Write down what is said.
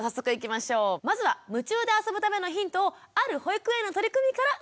まずは夢中であそぶためのヒントをある保育園の取り組みから探ります。